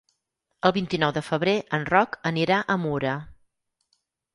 El vint-i-nou de febrer en Roc anirà a Mura.